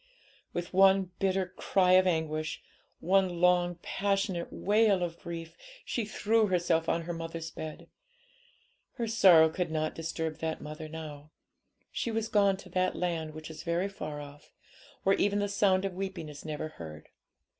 With one bitter cry of anguish, one long, passionate wail of grief, she threw herself on her mother's bed. Her sorrow could not disturb that mother now; she was gone to that land which is very far off, where even the sound of weeping is never heard.